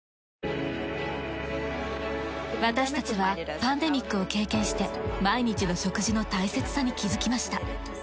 私たちはパンデミックを経験して毎日の食事の大切さに気づきました。